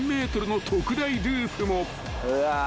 うわ。